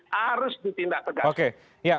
harus ditindak tegas